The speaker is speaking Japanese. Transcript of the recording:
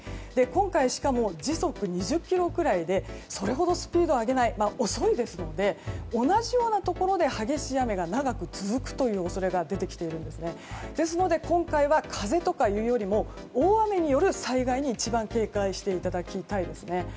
今回、しかも時速２０キロくらいでそれほどスピードを上げず遅いですので同じようなところで激しい雨が長く続くという恐れが出てきているので今回は風とかというよりも大雨による災害に一番警戒していただきたいですね。